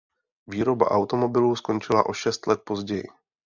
Výroba automobilů skončila o šest let později.